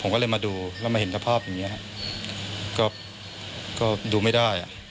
ผมก็เลยมาดูแล้วมาเห็นสภาพอย่างนี้ฮะก็ดูไม่ได้อ่ะ